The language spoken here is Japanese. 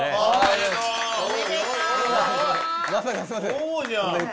そうじゃん！